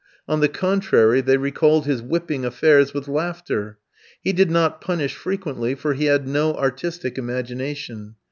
On the contrary, they recalled his whipping affairs with laughter; he did not punish frequently, for he had no artistic imagination.